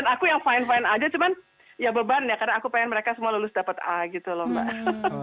dan aku yang fine fine aja cuman ya beban ya karena aku pengen mereka semua lulus dapet a gitu loh mbak